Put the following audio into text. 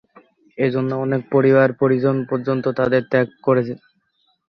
এজন্য অনেকে পরিবার-পরিজন পর্যন্ত তাদের ত্যাগ করেন।